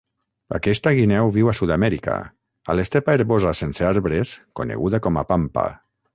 Aquesta guineu viu a Sud-amèrica, a l'estepa herbosa sense arbres coneguda com a pampa.